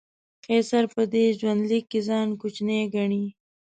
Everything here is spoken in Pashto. قیصر په دې ژوندلیک کې ځان کوچنی ګڼي.